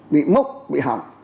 bị mốc bị hỏng